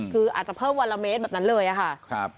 คืออาจจะเพิ่มวันละเมตรแบบนั้นเลยค่ะ